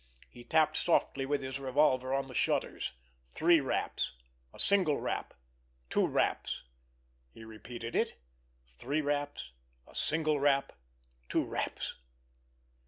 He tapped softly with his revolver on the shutters—three raps, a single rap, two raps; he repeated it—three raps, a single rap, two raps.